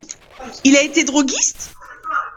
Il a été droguiste ?